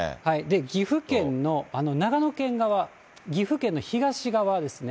岐阜県の長野県側、岐阜県の東側ですね。